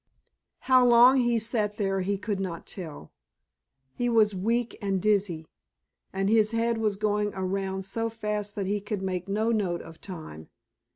How long he sat there he could not tell. He was weak and dizzy, and his head was going around so fast that he could make no note of time.